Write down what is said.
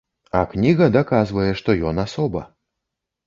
А кніга даказвае, што ён асоба.